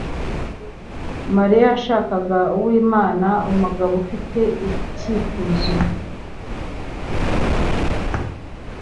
Mariya yashakaga Uwimana umugabo ufite icyifuzo.